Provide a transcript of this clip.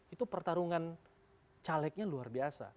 itu pertarungan calegnya luar biasa